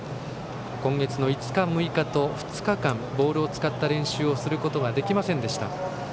今月の５日、６日と２日間ボールを使った練習をすることができませんでした。